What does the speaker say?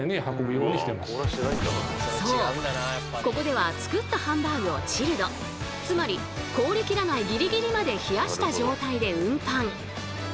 ここでは作ったハンバーグをチルドつまり凍りきらないギリギリまで冷やした状態で運搬。